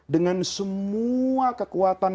dengan semua kekuatan